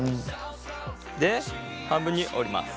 で半分に折ります。